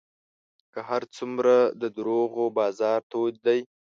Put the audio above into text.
که هر څومره د دروغو بازار تود دی